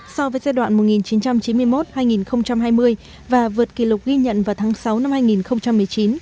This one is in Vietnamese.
so với giai đoạn một nghìn chín trăm chín mươi một hai nghìn hai mươi và vượt kỷ lục ghi nhận vào tháng sáu năm hai nghìn một mươi chín